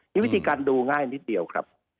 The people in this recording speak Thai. นี่วิธีการดูง่ายนิดเดียวครับ